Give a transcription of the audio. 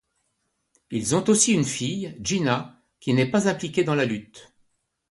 Ils ont aussi une fille, Gina, qui n'est pas impliquée dans la lutte.